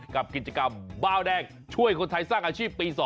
กับกิจกรรมบ้าวแดงช่วยคนไทยสร้างอาชีพปี๒